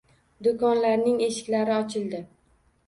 Do'konlarning eshiklari ochildi.